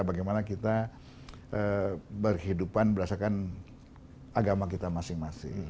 bagaimana kita berhidupan berdasarkan agama kita masing masing